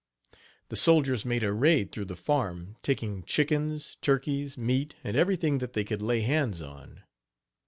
The soldiers made a raid through the farm, taking chickens, turkeys, meat and everything that they could lay hands on.